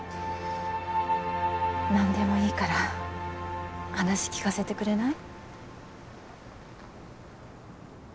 何でもいいから話聞かせてくれない？